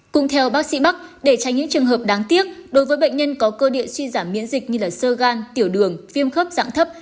cùng theo bác sĩ bắc để tránh những trường hợp đáng tiếc đối với bệnh nhân có cơ địa suy giảm miễn dịch như sơ gan tiểu đường viêm khớp dạng thấp